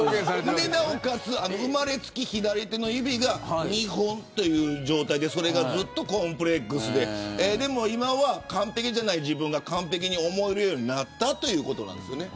なおかつ、生まれつき左手の指が２本という状態でそれがずっとコンプレックスででも今は完璧じゃない自分が完璧に思えるようになったということですよね。